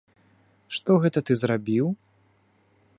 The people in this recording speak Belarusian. Што гэта ты зрабіў?